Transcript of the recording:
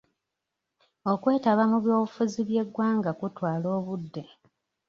Okwetaba mu by'obufuzi by'eggwanga kutwala obudde.